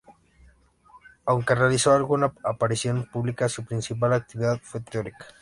Aunque realizó alguna aparición pública, su principal actividad fue teórica.